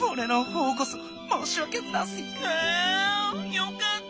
よかった！